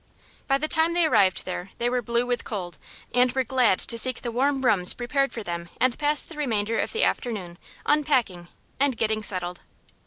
By the time they arrived there they were blue with cold, and were glad to seek the warm rooms prepared for them and pass the remainder of the afternoon unpacking and "getting settled."